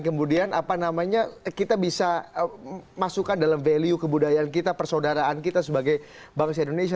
kemudian apa namanya kita bisa masukkan dalam value kebudayaan kita persaudaraan kita sebagai bangsa indonesia